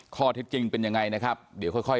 ข้อที่จริงเป็นยังไงเดี๋ยวค่อย